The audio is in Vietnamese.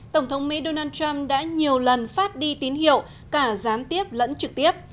tổng thống mỹ donald trump đã nhiều lần phát đi tín hiệu cả gián tiếp lẫn trực tiếp